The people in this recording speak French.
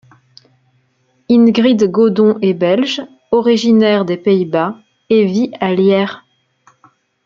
Ingrid Godon est belge, originaire des Pays-Bas, et vit à Lierre.